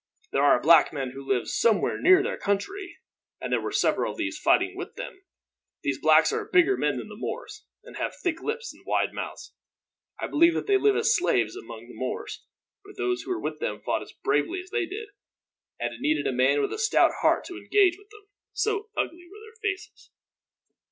There are black men who live somewhere near their country, and there were several of these fighting with them. These blacks are bigger men than the Moors, and have thick lips and wide mouths. I believe that they live as slaves among the Moors, but those who were with them fought as bravely as they did; and it needed a man with a stout heart to engage with them, so ugly were their faces."